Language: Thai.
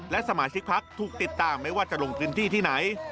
และสมาชิกพักถูกติดตามไม่ว่าจะลงพื้นที่ที่ไหน